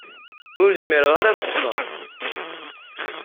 Ur zmireɣ ara ad ṭṭseɣ.